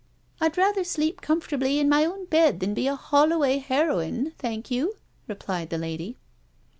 "I'd rather sleep comfortably in my own bed than be a Holloway heroine, thank you," replied the lady.